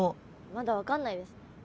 まだ分かんないです。